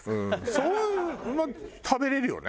そういう食べれるよね。